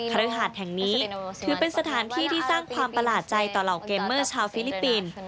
ฤหาดแห่งนี้ถือเป็นสถานที่ที่สร้างความประหลาดใจต่อเหล่าเกมเมอร์ชาวฟิลิปปินส์